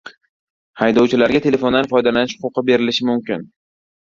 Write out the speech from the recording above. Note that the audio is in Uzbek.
Haydovchilarga telefondan foydalanish huquqi berilishi mumkin